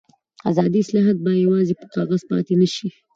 اداري اصلاحات باید یوازې پر کاغذ پاتې نه شي